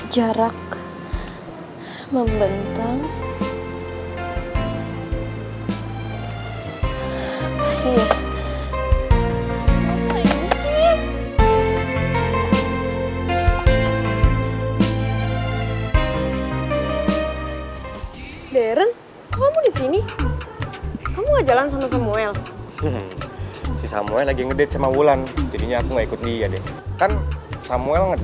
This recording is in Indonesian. karena lo udah jadi guru matematika gue